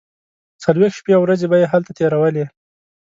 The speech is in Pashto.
څلوېښت شپې او ورځې به یې هلته تیرولې.